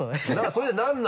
それで何？